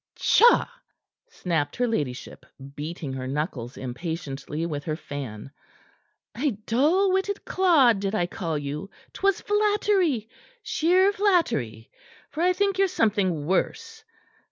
"Tcha!" snapped her ladyship, beating her knuckles impatiently with her fan. "A dull witted clod did I call you? 'Twas flattery sheer flattery; for I think ye're something worse.